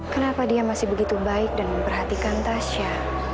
kenapa dia masih begitu baik dan memperhatikan tasya